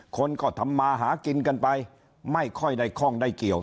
คนก็ทำมาหากินกันไปไม่ค่อยได้ข้องได้เกี่ยว